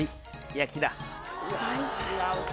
焼きだ。